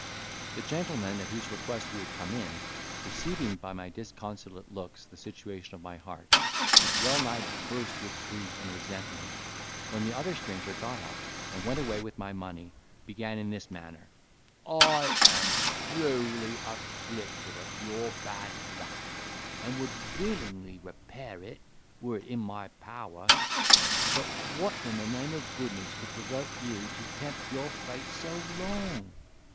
The gentleman at whose request we had come in, perceiving by my disconsolate looks the situation of my heart, which well nigh burst with grief and resentment, when the other stranger got up, and went away with my money, began in this manner:—"I am truly afflicted at your bad luck, and would willingly repair it, were it in my power. But what in the name of goodness could provoke you to tempt your fate so long?